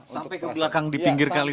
sampai ke belakang di pinggir kali sana ya